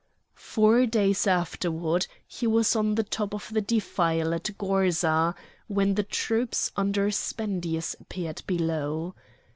Four days afterward he was on the top of a defile at Gorza, when the troops under Spendius appeared below.